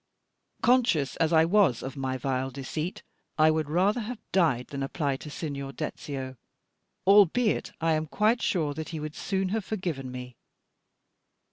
Conscious as I was of my vile deceit, I would rather have died than apply to Signor Dezio, albeit I am quite sure that he would soon have forgiven me.